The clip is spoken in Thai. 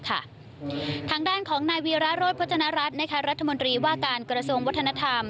ทางด้านของนายวีระโรธพจนรัฐรัฐรัฐมนตรีว่าการกระทรวงวัฒนธรรม